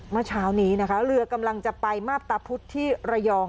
เมื่อเช้านี้นะคะเรือกำลังจะไปมาบตาพุธที่ระยอง